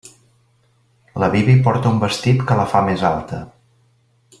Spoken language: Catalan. La Bibi porta un vestit que la fa més alta.